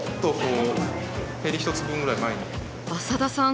浅田さん